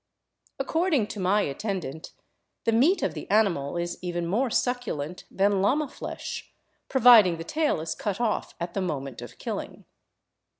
Ac cording to my attendant, the meat of the animal is even more succu lent than llama flesh, providing the tail is cut off at the moment of killing.